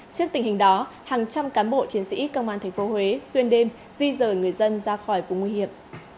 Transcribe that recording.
trước tình hình đó hàng trăm cán bộ chiến sĩ công an tp huế xuyên đêm di rời người dân ra khỏi vùng nguy hiểm